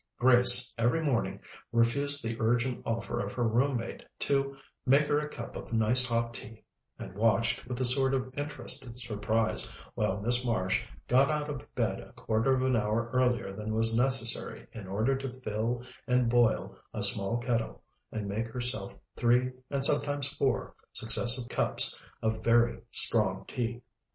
Grace every morning refused the urgent offer of her room mate to "make her a cup of nice hot tea," and watched, with a sort of interested surprise, while Miss Marsh got out of bed a quarter of an hour earlier than was necessary in order to fill and boil a small kettle and make herself three and sometimes four successive cups of very strong tea.